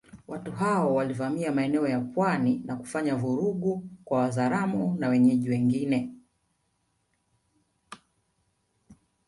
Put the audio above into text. Watu hao walivamia maeneo ya pwani na kufanya vurugu kwa Wazaramo na wenyeji wengine